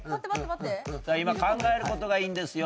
今考えることがいいんですよ